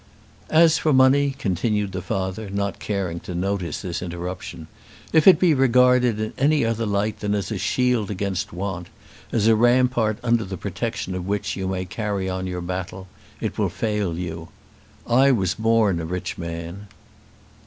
"As for money," continued the father, not caring to notice this interruption, "if it be regarded in any other light than as a shield against want, as a rampart under the protection of which you may carry on your battle, it will fail you. I was born a rich man."